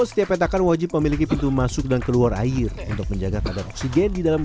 setiap petakan wajib memiliki pintu masuk dan keluar air untuk menjaga kadar oksigen di dalam